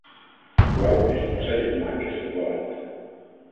Val més ocell en mà que cent volant.